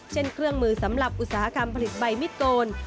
เช่นเครื่องมือสำหรับอุตสาหกรรมผลิตใบมิดโตน